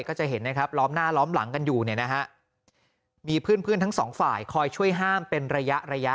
ก็จะเห็นนะครับล้อมหน้าล้อมหลังกันอยู่เนี่ยนะฮะมีเพื่อนทั้งสองฝ่ายคอยช่วยห้ามเป็นระยะระยะ